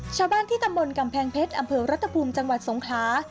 ชาวบ้านที่ตำบลกำแพงเพชรอำเภอรัฐภูมิจังหวัดสงคลา